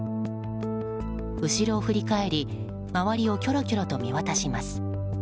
後ろを振り返り周りをきょきょろと見渡します。